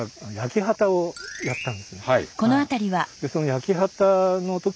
はい。